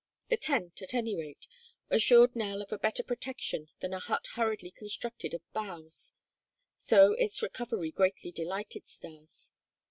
The tent, at any rate, assured Nell of a better protection than a hut hurriedly constructed of boughs; so its recovery greatly delighted Stas.